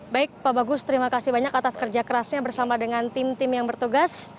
baik pak bagus terima kasih banyak atas kerja kerasnya bersama dengan tim tim yang bertugas